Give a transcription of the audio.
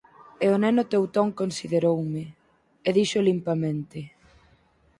E o neno teutón consideroume, e dixo limpamente: